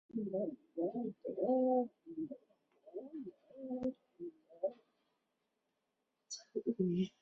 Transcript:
可用于制取微纳米级羰基铁粉。